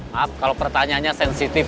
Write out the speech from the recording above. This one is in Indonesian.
maaf kalau pertanyaannya sensitif